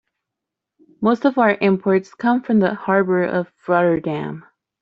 Most of our imports come from the harbor of Rotterdam.